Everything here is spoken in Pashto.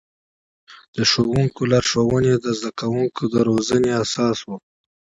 د ښوونکي لارښوونې د زده کوونکو د روزنې اساس و.